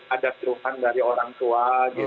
ada keluhan dari orang tua